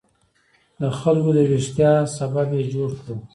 د خلکو د ویښتیا سبب یې جوړ کړو.